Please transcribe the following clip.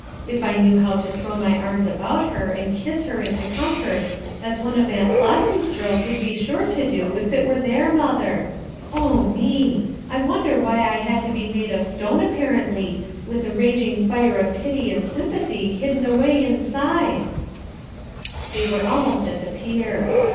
if I knew how to throw my arms about her and kiss her into comfort as one of Aunt Flossy's girls would be sure to do if it were their mother! me ! I wonder why I had to be made of stone, apparently, with a raging fire of pity and sympathy hidden away inside?" 60 FOUR MOTHERS AT CHAUTAUQUA They were almost at the pier.